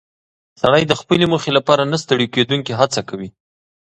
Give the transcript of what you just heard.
سړی د خپلې موخې لپاره نه ستړې کېدونکې هڅه کوي